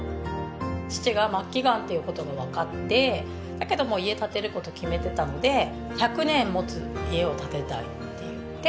父が末期がんっていう事がわかってだけども家建てる事決めてたので１００年持つ家を建てたいって言って建てた家です。